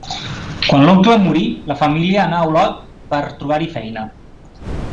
Quan l'oncle morí, la família anà a Olot per trobar-hi feina.